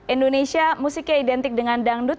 indonesia musiknya identik dengan dangdut